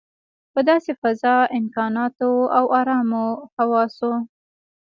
په داسې فضا، امکاناتو او ارامه حواسو.